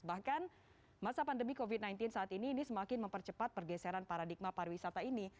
bahkan masa pandemi covid sembilan belas saat ini ini semakin mempercepat pergeseran paradigma pariwisata ini